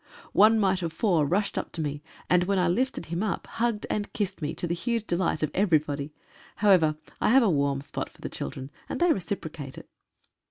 One mite of four rushed up to me, and when I lifted him up, hugged and kissed me, to the huge delight of everybody. However, I have a warm spot for the children, and they reciprocate it.